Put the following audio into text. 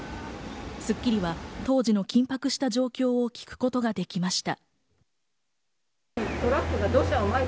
『スッキリ』は当時の緊迫した状況を聞くことができました。